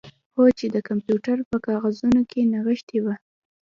هو چې د کمپیوټر په کاغذونو کې نغښتې وه